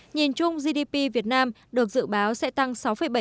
nhìn chung gdp việt nam được dự báo sẽ tăng sáu bảy trong năm nay